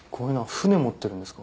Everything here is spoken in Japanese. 船持ってるんですか？